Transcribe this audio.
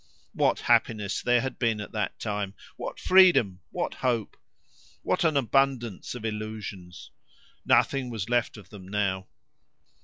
What happiness there had been at that time, what freedom, what hope! What an abundance of illusions! Nothing was left of them now.